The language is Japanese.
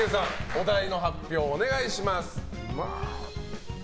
お題の発表をお願いします。